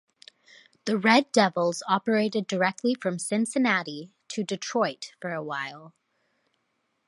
The Red Devils operated directly from Cincinnati to Detroit for a while.